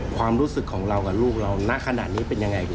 ความรู้สึกของเรากับลูกเราณขนาดนี้เป็นยังไง